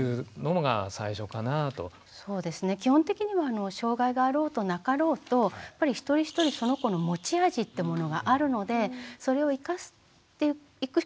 基本的には障害があろうとなかろうとやっぱり一人一人その子の持ち味ってものがあるのでそれを生かしていくことしかないんですよね。